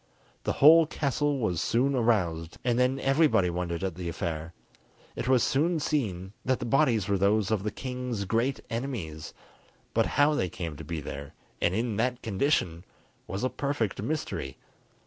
The whole castle was soon aroused, and then everybody wondered at the affair: it was soon seen that the bodies were those of the king's great enemies, but how they came to be there and in that condition was a perfect mystery.